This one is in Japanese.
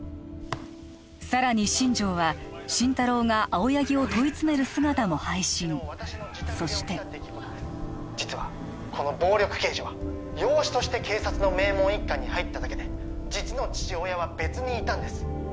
さらに新城は心太朗が青柳を問い詰める姿も配信そして実はこの暴力刑事は養子として警察の名門一家に入っただけで実の父親は別にいたんです